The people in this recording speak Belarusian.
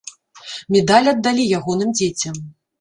Медаль аддалі ягоным дзецям.